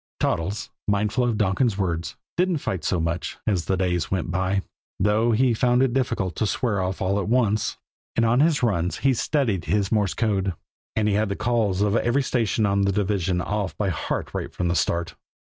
Toddles, mindful of Donkin's words, didn't fight so much as the days went by, though he found it difficult to swear off all at once; and on his runs he studied his Morse code, and he had the "calls" of every station on the division off by heart right from the start.